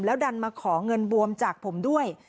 ดันมาขอเงินบวมจากผมด้วย